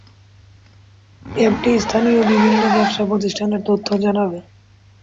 অ্যাপটি স্থানীয় বিভিন্ন ব্যবসা প্রতিষ্ঠানের তথ্য জানাবে।